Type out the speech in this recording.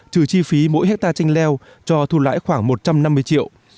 trừ chi phí mỗi hectare chanh leo cho thu lãi khoảng một trăm năm mươi triệu